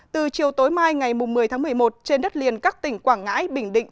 từ chiều tối mai ngày một mươi tháng một mươi một trên đất liền các tỉnh quảng ngãi bình định